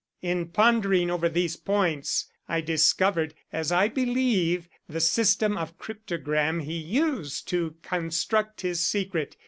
"In pondering over these points I discovered, as I believe, the system of cryptogram he used to construct his secret.